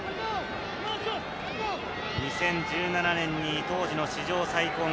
２０１７年に当時の史上最高額